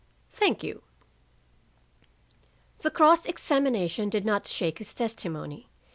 "Thank you." The cross examination did not shake his testimony.